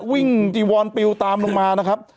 วิ่งจีวอนปิวตามลงมานะครับ